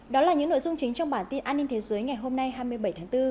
đó là những nội dung chính trong bản tin an ninh thế giới ngày hôm nay hai mươi bảy tháng bốn